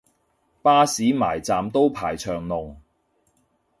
巴士埋站都排長龍